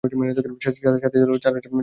সাথে ছিল চার হাজার বডিগার্ড।